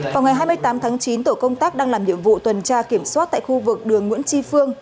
vào ngày hai mươi tám tháng chín tổ công tác đang làm nhiệm vụ tuần tra kiểm soát tại khu vực đường nguyễn tri phương